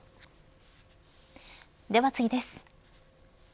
では次です。